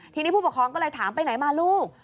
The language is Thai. ทีนี้ผู้ปกครองก็เลยถามไปไหนมาลูก